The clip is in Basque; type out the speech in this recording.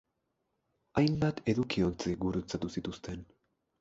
Hainbat edukiontzi gurutzatu zituzten.